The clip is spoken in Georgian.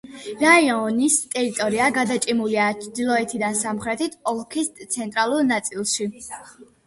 რაიონის ტერიტორია გადაჭიმულია ჩრდილოეთიდან სამხრეთით, ოლქის ცენტრალურ ნაწილში.